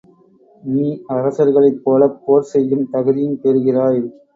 நீ அரசர்களைப் போலப் போர் செய்யும் தகுதியும் பெறுகிறாய்.